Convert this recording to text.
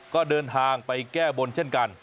ก็เดินทางไปแก้บนเช่นกัน